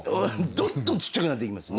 どんどんちっちゃくなっていきます。